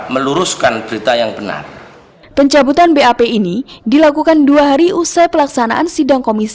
menyebutkan bahwa za tidak terbukti melakukan tindak pelecehan seksual